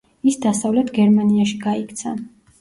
ის დასავლეთ გერმანიაში გაიქცა.